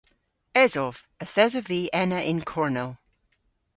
Esov. Yth esov vy ena y'n kornel.